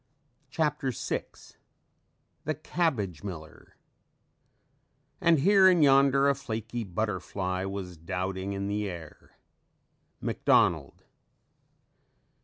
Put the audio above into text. CHAPTER VI THE CABBAGE MILLER "And here and yonder a flaky butterfly Was doubting in the air." MCDONALD.